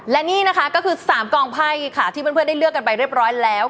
และนี่นะคะก็คือ๓กองไพ่ค่ะที่เพื่อนได้เลือกกันไปเรียบร้อยแล้ว